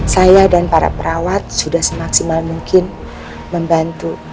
saya dan para perawat sudah semaksimal mungkin membantu